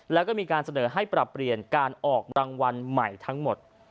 แล้วก็มีการเสนอให้ปรับเปลี่ยนการออกรางวัลใหม่ทั้งหมด